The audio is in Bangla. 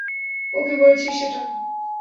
ওকে বলেছিস সেটা?